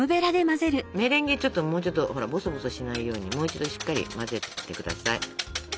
メレンゲちょっともうちょっとほらボソボソしないようにもう一度しっかり混ぜて下さい。